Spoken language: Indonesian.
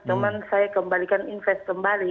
cuma saya kembalikan invest kembali